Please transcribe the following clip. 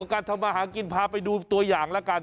การทำมาหากินพาไปดูตัวอย่างละกัน